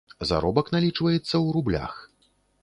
Заробак налічваецца ў рублях.